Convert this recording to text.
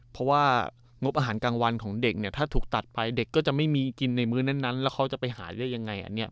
เพราะว่างบอาหารกลางวันของเด็กเนี่ยถ้าถูกตัดไปเด็กก็จะไม่มีกินในมื้อนั้นแล้วเขาจะไปหาได้ยังไง